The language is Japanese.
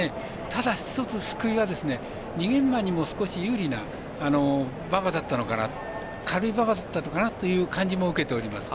ただ一つ救いは逃げ馬にも有利な馬場だったのかな軽い馬場だったのかなという感じも受けております。